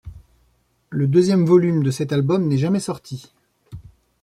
Le deuxième volume de cet album n'est jamais sorti.